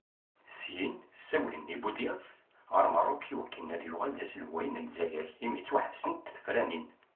Syin, ssawlen i Buḍyaf ɣer Merruk iwakken ad yuɣal d aselwaya n Lezzayer imi ttwaḥebsent tefranin.